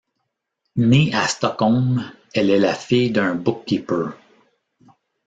Née à Stockholm, elle est la fille d'un book-keeper.